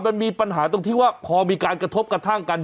มันมีปัญหาตรงที่ว่าพอมีการกระทบกระทั่งกัน